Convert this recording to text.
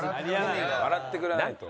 笑ってくれないと。